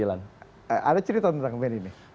ada cerita tentang band ini